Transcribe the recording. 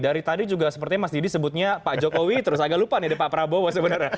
dari tadi juga sepertinya mas didi sebutnya pak jokowi terus agak lupa nih pak prabowo sebenarnya